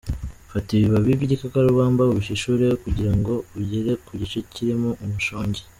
Fata ibibabi by’igikakarubamba ubishishure kugirango ugere ku gice kirimo umushongi.